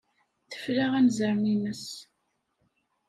Tefla anzaren-nnes.